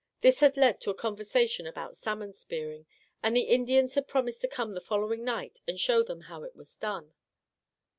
This had led to a con versation about salmon spearing, and the In dians had promised to come the following night, and show them how it was done.